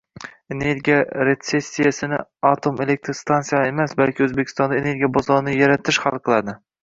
Energiya retsessiyasini atom elektr stantsiyalari emas, balki O'zbekistonda energiya bozorini yaratish hal qiladi